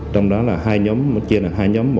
trong đó là hai nhóm chia thành hai nhóm